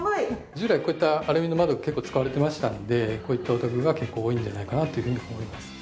従来こういったアルミの窓結構使われてましたんでこういったお宅が結構多いんじゃないかなっていうふうに思います。